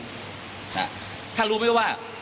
อ่าท่านรู้ไหมว่า